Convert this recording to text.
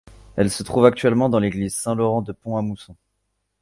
Elle se trouve actuellement dans l'église Saint-Laurent de Pont-à-Mousson.